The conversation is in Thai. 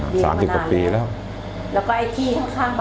เยอะเยอะมากเงินเท่าไรก็ถมมาอยู่บ้าง